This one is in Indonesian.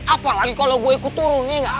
apalagi kalau gue ikut turun ya gak